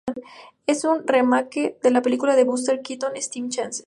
Es un remake de la película de Buster Keaton "Seven Chances".